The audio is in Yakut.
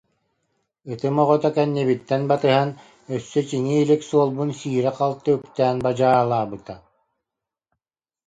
Ытым оҕото кэннибиттэн батыһан, өссө чиҥии илик суолбун сиирэ-халты үктээн бадьаалаабыта